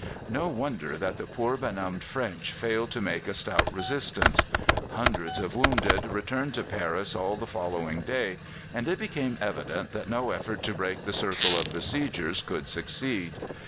No wonder that the poor benumbed French failed to make a stout resistance. Hundreds of wounded returned to Paris all the following day, and it became evident that no effort to break the circle of besiegers could succeed.